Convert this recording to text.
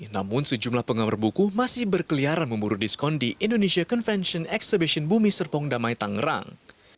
namun sejumlah penggemar buku masih berkeliaran memburu diskon di indonesia convention exhibition bumi serpong damai tangerang